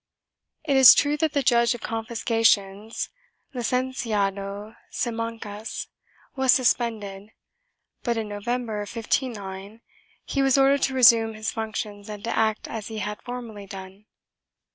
It is true that the judge of confiscations, Licenciado Simancas, was suspended, but in November, 1509, he was ordered to resume his functions and to act as he had formerly done.